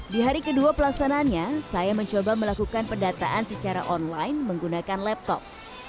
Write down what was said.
di hari kedua pelaksanaannya saya mencoba melakukan pendataan secara online menggunakan laptop